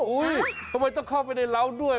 อุ๊ยทำไมต้องเข้าไปในเล้าด้วย